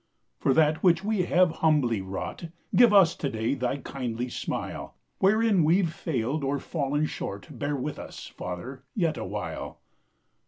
For that which we have humbly wrought, Give us to day thy kindly smile; Wherein we've failed or fallen short, Bear with us, Father, yet awhile.